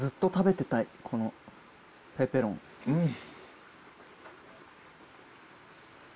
うん！